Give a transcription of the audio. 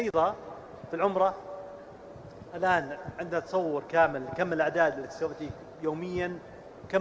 dimi terrific dan juga zeeting